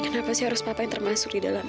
kenapa sih harus papa yang termasuk di dalam